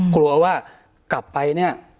กลัวว่ากลับไปเนี่ย